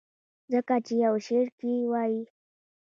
ځکه چې يو شعر کښې وائي :